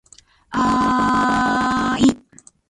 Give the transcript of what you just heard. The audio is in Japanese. ああああああああああああああああい